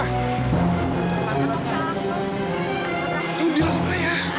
kamu bilang sebenernya